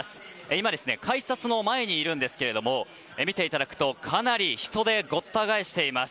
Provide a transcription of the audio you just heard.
今、改札の前にいるんですが見ていただくとかなり人でごった返しています。